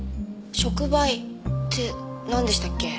触媒ってなんでしたっけ？